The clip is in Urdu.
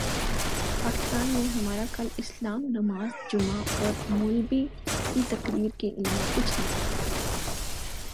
پاکستان میں ہمارا کل اسلام نماز جمعہ اور مولبی کی تقریر کے علاوہ کچھ نہ تھا